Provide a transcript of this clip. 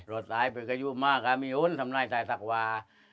รอดตายไปกระยุบมากครับมีอุ้นทำหน้าจ่ายสักวา